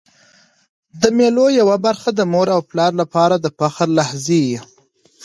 د مېلو یوه برخه د مور او پلار له پاره د فخر لحظې يي.